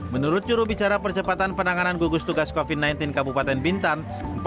menurut jurubicara percepatan penanganan gugus tugas covid sembilan belas kabupaten bintan